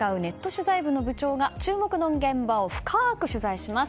取材部の部長が注目の現場を深く取材します。